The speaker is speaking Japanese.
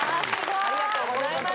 ありがとうございます。